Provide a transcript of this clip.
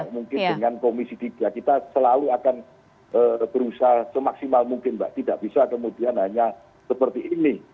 mungkin dengan komisi tiga kita selalu akan berusaha semaksimal mungkin mbak tidak bisa kemudian hanya seperti ini